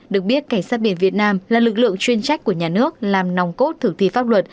được biết cảnh sát biển việt nam là lực lượng chuyên trách của nhà nước làm nòng cốt thực thi pháp luật